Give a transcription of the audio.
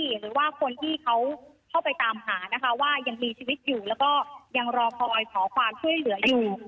หรือว่าคนที่เขาเข้าไปตามหานะคะว่ายังมีชีวิตอยู่แล้วก็ยังรอคอยขอความช่วยเหลืออยู่